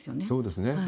そうですね。